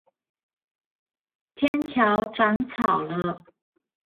天橋長草了